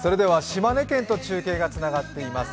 島根県と中継がつながっています。